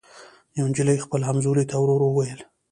یوې نجلۍ خپلي همزولي ته ورو ووېل